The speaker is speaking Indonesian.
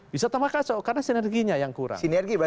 bisa tambah kacau karena sinerginya yang kurang